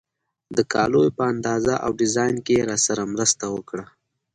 د کالیو په اندازه او ډیزاین کې یې راسره مرسته وکړه.